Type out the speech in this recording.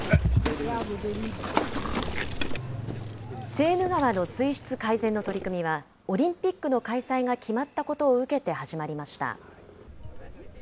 セーヌ川の水質改善の取り組みは、オリンピックの開催が決まったことを受けて始まりました。